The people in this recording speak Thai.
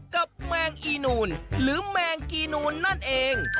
แมงอีนูนหรือแมงกีนูนนั่นเอง